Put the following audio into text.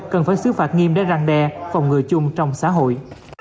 cần phải xứ phạt nghiêm đá răng đe phòng người chung trong xã hội